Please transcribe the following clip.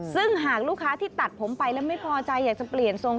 ซึ่งหากลูกค้าที่ตัดผมไปแล้วไม่พอใจอยากจะเปลี่ยนทรง